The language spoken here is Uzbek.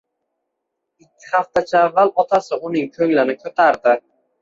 Ikki haftacha avval otasi uning ko'nglini ko'tardi.